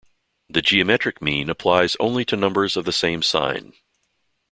The geometric mean applies only to numbers of the same sign.